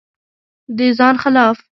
د ځان خلاف